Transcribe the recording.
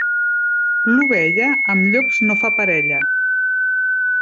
L'ovella, amb llops no fa parella.